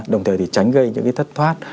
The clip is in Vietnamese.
đồng thời thì tránh gây những cái thất thoát